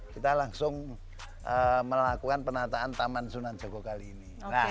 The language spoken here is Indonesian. kita langsung melakukan penataan taman sunan jogokali ini